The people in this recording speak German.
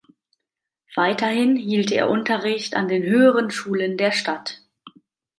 Weiterhin hielt er Unterricht an den höheren Schulen der Stadt.